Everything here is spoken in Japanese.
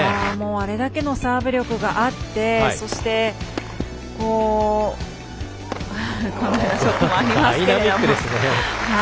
あれだけのサーブの力があってそして、今のようなショットもありますが。